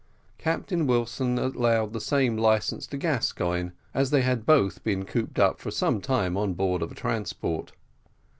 Captain Wilson allowed the same licence to Gascoigne, as they had both been cooped up for some time on board of a transport.